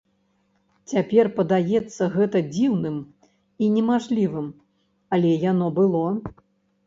Цяпер падаецца гэта дзіўным і немажлівым, але яно было.